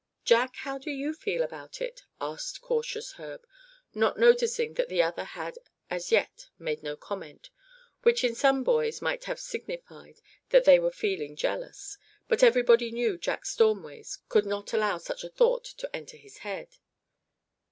"Jack, how do you feel about it?" asked cautious Herb, not noticing that the other had as yet made no comment; which, in some boys might have signified that they were feeling jealous; but everybody knew Jack Stormways could not allow such a thought to enter his head.